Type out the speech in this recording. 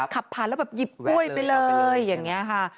ขับผ่านแล้วแบบหยิบกล้วยไปเลยอย่างนี้ค่ะ